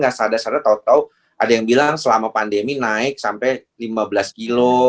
dasar dasarnya tau tau ada yang bilang selama pandemi naik sampai lima belas kilo